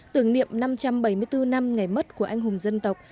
tưởng niệm năm trăm bảy mươi bốn năm ngày mất của anh hùng dân tộc